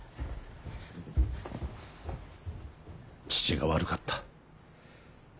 父が悪かった。